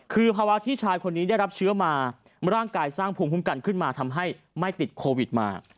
คือภาวะที่ชายคนนี้ได้รับเชื้อมาร่างกายสร้างภูมิคุ้มกันขึ้นมาทำให้ไม่ติดโควิดมา